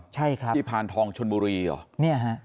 ใช่ครับที่พานทองชนบุรีเหรอเนี่ยฮะ